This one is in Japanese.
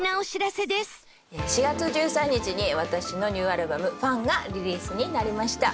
４月１３日に私のニューアルバム『ＦＵＮ』がリリースになりました。